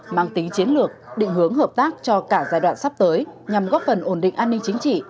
mang tính chiến lược định hướng hợp tác cho cả giai đoạn sắp tới nhằm góp phần ổn định an ninh chính trị